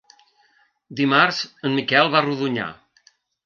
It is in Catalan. Dimarts en Miquel va a Rodonyà.